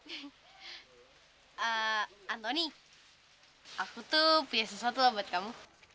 eh antoni aku tuh punya sesuatu loh buat kamu